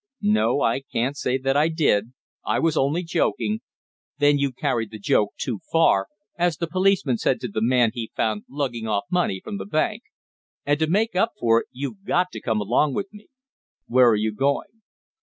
"No, I can't say that I did. I was only joking." "Then you carried the joke too far, as the policeman said to the man he found lugging off money from the bank. And to make up for it you've got to come along with me." "Where are you going?"